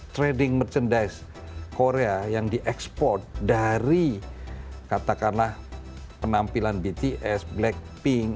trading merchandise korea yang diekspor dari katakanlah penampilan bts blackpink